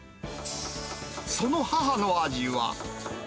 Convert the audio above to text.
その母の味は。